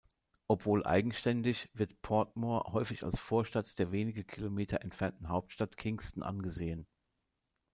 Obwohl eigenständig, wird Portmore häufig als Vorstadt der wenige Kilometer entfernten Hauptstadt Kingston angesehen.